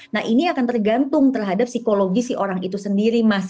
nah ini akan tergantung terhadap psikologi si orang itu sendiri mas